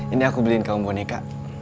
ini aku beliin kaum boneka